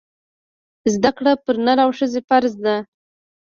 زده کړه پر نر او ښځي فرځ ده